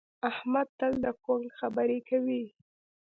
احمد تل د کونک خبرې کوي.